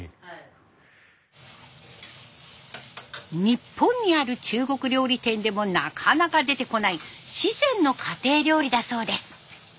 日本にある中国料理店でもなかなか出てこない四川の家庭料理だそうです。